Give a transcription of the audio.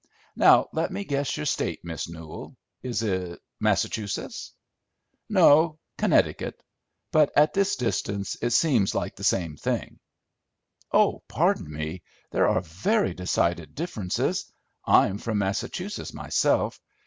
Now, let me guess your State, Miss Newell: is it Massachusetts?" "No, Connecticut; but at this distance it seems like the same thing." "Oh, pardon me, there are very decided differences. I'm from Massachusetts myself.